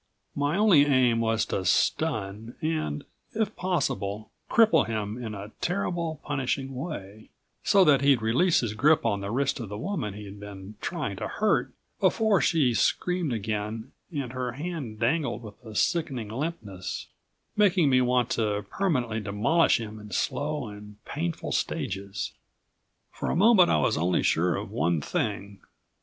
My only aim was to stun and, if possible, cripple him in a terrible, punishing way, so that he'd release his grip on the wrist of the woman he'd been trying to hurt before she screamed again and her hand dangled with a sickening limpness, making me want to permanently demolish him in slow and painful stages. For a moment I was only sure of one thing.